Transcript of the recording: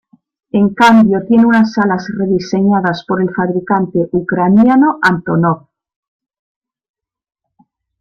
En cambio tiene unas alas rediseñadas por el fabricante ucraniano Antonov.